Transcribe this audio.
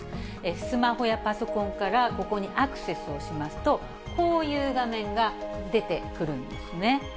スマホやパソコンからここにアクセスをしますと、こういう画面が出てくるんですね。